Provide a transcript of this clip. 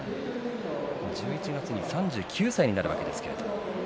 １１月に３９歳になるわけですが。